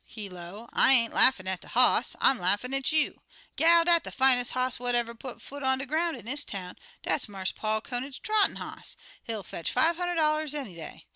He, 'low, 'I ain't laughin' at de hoss. I'm laughin' at you. Gal, dat de finest hoss what ever put foot on de groun' in dis town. Dat's Marse Paul Conant's trottin' hoss. He'll fetch fi' hunder'd dollars any day.